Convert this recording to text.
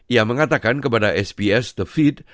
ia mengatakan kepada sbs the feed